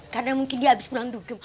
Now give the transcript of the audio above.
karena mungkin dia habis pulang dukung